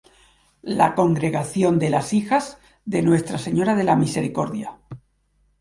La congregación de las Hijas de Nuestra Señora de la Misericordia.